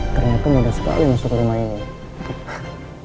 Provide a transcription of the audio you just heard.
ternyata mudah sekali masuk ke rumah ini